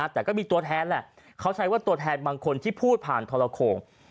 แต่ก็มีตัวแทนแหละเขาใช้ว่าตัวแทนบางคนที่พูดผ่านทรโขง